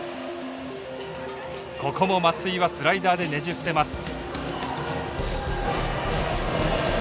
ここも松井はスライダーでねじ伏せます。